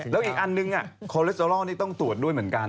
แล้วอีกอันนึงคอเลสเตอรอลนี่ต้องตรวจด้วยเหมือนกัน